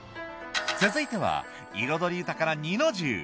続いては彩り豊かな弐の重。